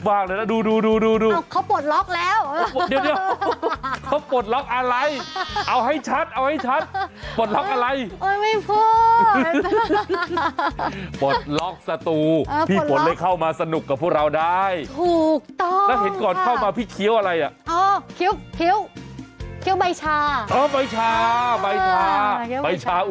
ปลดล็อกแล้วเขาปลดล็อกอะไรเอาให้ชัด